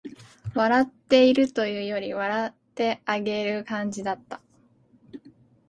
笑っているというより、笑ってあげてる感じだった